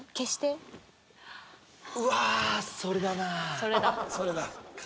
それだ。